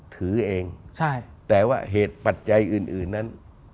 ถือเองแต่ว่าเหตุปัจจัยอื่นนั้น